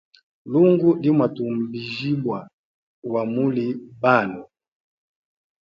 Lungu li mwatumbijibwa wa muli banwe.